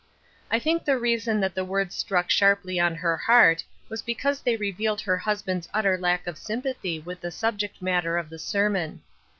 I think the reason that the words struck sharply on her heart was bejpause they revealed her husband's utter lack of sym pathy with the subject matter of the sermon.